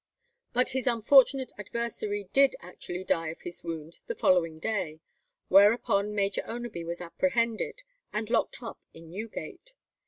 But his unfortunate adversary did actually die of his wound the following day, whereupon Major Oneby was apprehended and locked up in Newgate.